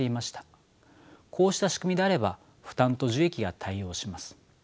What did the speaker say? こうした仕組みであれば負担と受益が対応します。